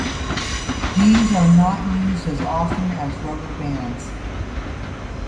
These are not used as often as the rubber bands.